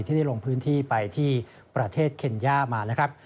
ที่ได้ลงพื้นที่ไปที่ประเทศเคนย่ามานะครับ